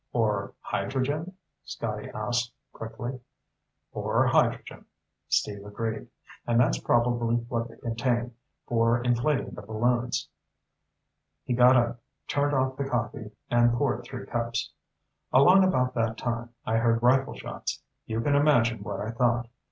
"Or hydrogen?" Scotty asked quickly. "Or hydrogen," Steve agreed. "And that's probably what they contain, for inflating the balloons." He got up, turned off the coffee, and poured three cups. "Along about that time, I heard rifleshots. You can imagine what I thought.